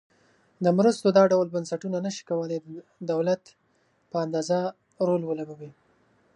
د مرستو دا ډول بنسټونه نشي کولای د دولت په اندازه رول ولوبوي.